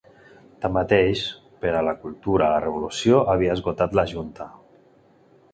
Tanmateix, per a la cultura, la Revolució havia esgotat la Junta.